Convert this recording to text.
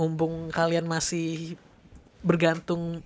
mumpung kalian masih bergantung